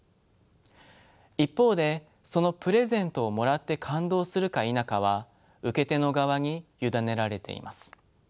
一方でそのプレゼントをもらって感動するか否かは受け手の側に委ねられています。